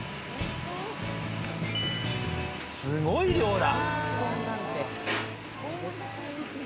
すごい量だ。